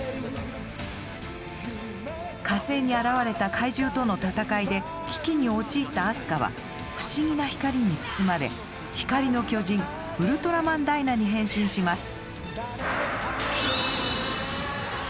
火星に現れた怪獣との戦いで危機に陥ったアスカは不思議な光に包まれ光の巨人ウルトラマンダイナに変身します。